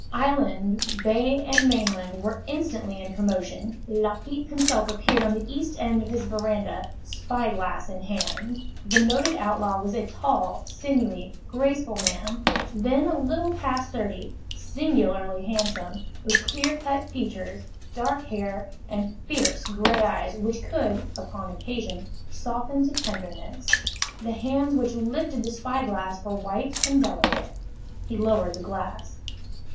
Island, bay and mainland were instantly in commotion. Lafitte himself appeared on the east end, of his veranda, spy glass in hand. The noted outlaw was a tall, sinewy, graceful man, then a little past thirty, singularly handsome, with clear cut features, dark hair and fierce gray eyes which could, upon occasion, soften to tenderness. The hands which lifted the spy glass were white and delicate. He lowered the glass.